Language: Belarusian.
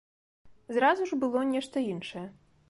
Зразу ж было нешта іншае.